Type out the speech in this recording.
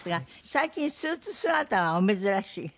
最近スーツ姿はお珍しい？